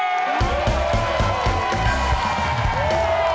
เฮ่ย